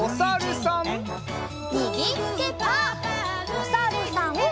おさるさん。